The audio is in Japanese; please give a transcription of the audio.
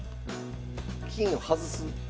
金を外す？